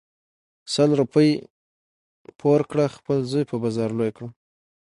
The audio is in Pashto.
سل روپی پور کړه خپل زوی په بازار لوی کړه .